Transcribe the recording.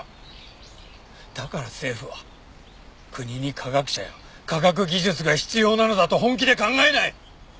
だから政府は国に科学者や科学技術が必要なのだと本気で考えない！